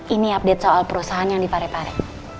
ini update soal perusahaan yang dipare pare